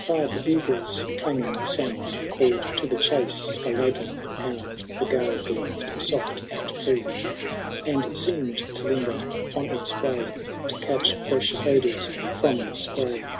147 As if in revelry; Afitf the bugles* ftia ngit^ sound Called to the chase the lagging hound ; The gale breathed soft and fiee^ And seemM to linger on its way To catch firesh odours from the spray.